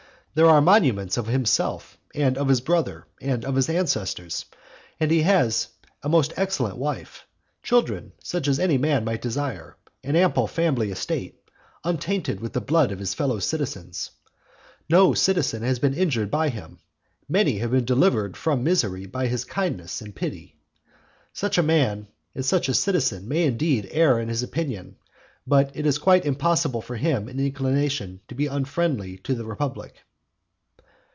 There are monuments of himself, and of his brother, and of his ancestors; he has a most excellent wife, children such as any man might desire, an ample family estate, untainted with the blood of his fellow citizens. No citizen has been injured by him; many have been delivered from misery by his kindness and pity. Such a man and such a citizen may indeed err in his opinion, but it is quite impossible for him in inclination to be unfriendly to the republic.